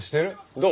どう？